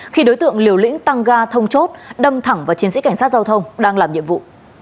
khi đối tượng liều lĩnh tăng ga thông chốt đâm thẳng vào chiến sĩ cảnh sát giao thông đang làm nhiệm vụ